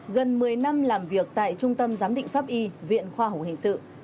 gần một mươi năm làm việc tại trung tâm giám định pháp y viện khoa học hình sự